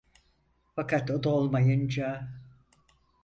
Fakat o da olmayınca?